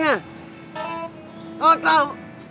nah kau tau